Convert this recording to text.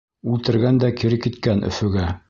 Үлтергән дә кире киткән Өфөгә!